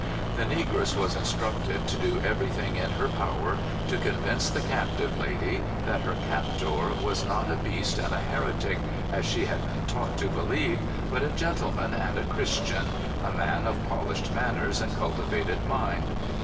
The negress was instructed to do everything in her power to convince the captive lady that her captor was not a beast and a heretic, as she had been taught to believe, but a gentleman, and a Christian, a man of polished manners and cultivated mind.